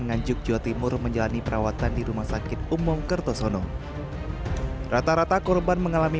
nganjuk jawa timur menjalani perawatan di rumah sakit umum kertosono rata rata korban mengalami